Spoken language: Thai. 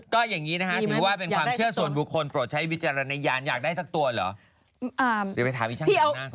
ก็อย่างนี้นะคะถือว่าเป็นความเชื่อส่วนบุคคลโปรดใช้วิจารณญาณอยากได้สักตัวเหรอเดี๋ยวไปถามอีกช่างยำนะ